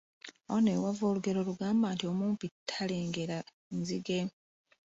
Awo nno we wava olugero olugamba nti omumpi talengera nzige.